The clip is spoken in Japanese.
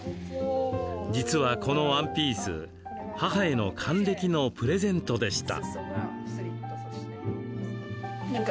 実は、このワンピース母への還暦のプレゼントでした。